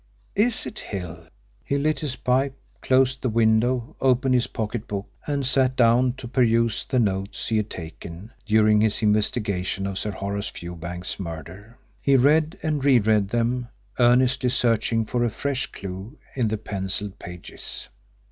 Is it Hill?" He lit his pipe, closed the window, opened his pocket book and sat down to peruse the notes he had taken during his investigation of Sir Horace Fewbanks's murder. He read and re read them, earnestly searching for a fresh clue in the pencilled pages.